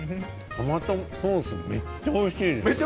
トマトソースめっちゃおいしいです。